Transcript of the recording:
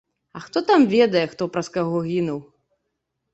А хто там ведае, хто праз каго гінуў?